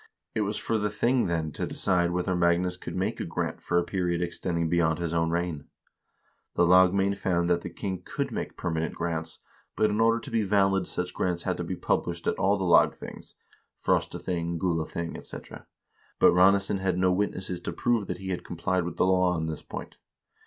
It was for the thing, then, to decide whether Magnus could make a grant for a period extending beyond his own reign. The lagmamd found that the king could make permanent grants, but in order to be valid such grants had to be published at all the lag things (Frostathing, Gulathing, etc.), but Ranesson had no witnesses to prove that he had complied with the law on this point.